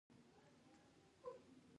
غوږ د غږ سرعت معلوموي.